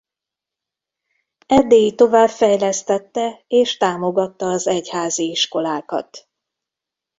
Erdélyi továbbfejlesztette és támogatta az egyházi iskolákat.